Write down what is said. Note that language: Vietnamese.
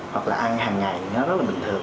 hoặc là ăn hàng ngày thì nó rất là bình thường